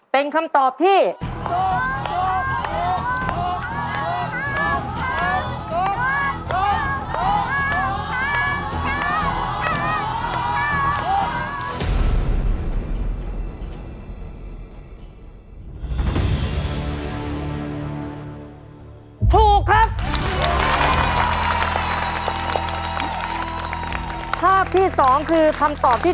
เป็นคำตอบที่